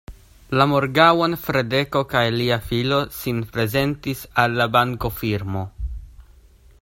La morgaŭon, Fradeko kaj lia filo sin prezentis al la bankofirmo.